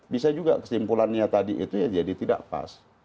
bisa juga kesimpulannya tadi itu ya jadi tidak pas